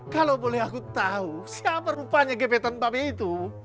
kalau boleh aku tahu siapa rupanya gebetan babi itu